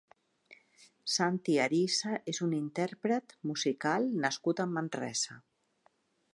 Santi Arisa és un intérpret musical nascut a Manresa.